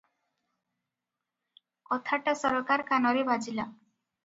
କଥାଟା ସରକାର କାନରେ ବାଜିଲା ।